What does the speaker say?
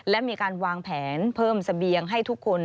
และมีการวางแผนเพิ่มเสบียงให้ทุกคน